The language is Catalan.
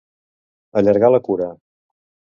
Allargar la cura.